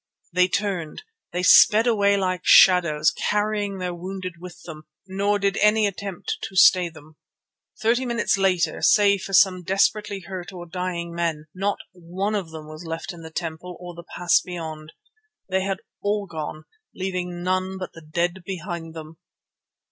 They turned; they sped away like shadows, carrying their wounded with them, nor did any attempt to stay them. Thirty minutes later, save for some desperately hurt or dying men, not one of them was left in the temple or the pass beyond. They had all gone, leaving none but the dead behind them.